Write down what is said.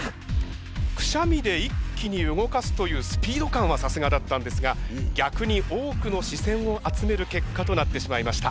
くしゃみで一気に動かすというスピード感はさすがだったんですが逆に多くの視線を集める結果となってしまいました。